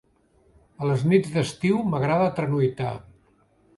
A les nits d'estiu m'agrada tranuitar.